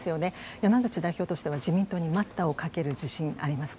山口代表としては自民党に待ったをかける自信、ありますか。